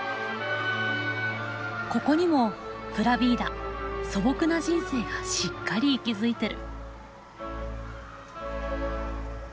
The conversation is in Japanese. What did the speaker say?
ここにもプラビーダ素朴な人生がしっかり息づいてる。